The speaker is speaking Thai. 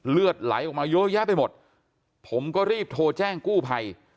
เลือดไหลออกมาเยอะแยะไปหมดผมก็รีบโทรแจ้งกู้ภัย